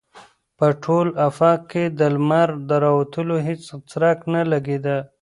په ټول افق کې د لمر د راوتلو هېڅ څرک نه لګېده.